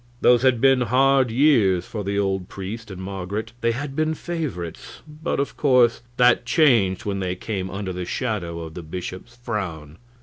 Those had been hard years for the old priest and Marget. They had been favorites, but of course that changed when they came under the shadow of the bishop's frown.